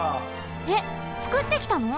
えっつくってきたの？